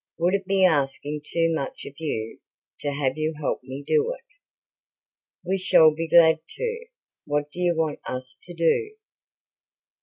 Would it be asking too much of you to have you help me do it?" "We shall be glad to. What do you want us to do?"